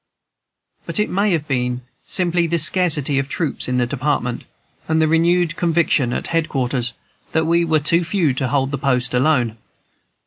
But it may have been simply the scarcity of troops in the Department, and the renewed conviction at head quarters that we were too few to hold the post alone.